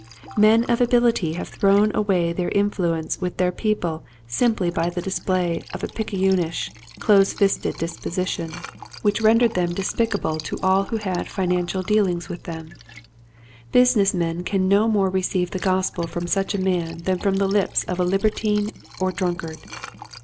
Men of ability have thrown away their in fluence with their people simply by the display of a pickayunish, close fisted dis position which rendered them despicable to Pettiness. 145 all who had financial dealings with them. Business men can no more receive the Gos pel from such a man than from the Hps of a libertine or drunkard.